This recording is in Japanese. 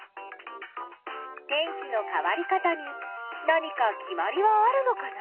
天気の変わり方に何か決まりはあるのかな？